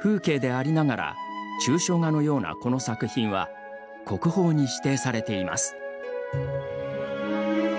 風景でありながら抽象画のようなこの作品は国宝に指定されています。